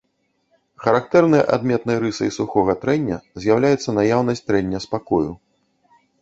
Характэрнай адметнай рысай сухога трэння з'яўляецца наяўнасць трэння спакою.